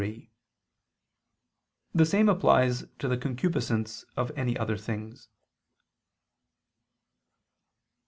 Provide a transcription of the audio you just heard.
The same applies to the concupiscence of any other things.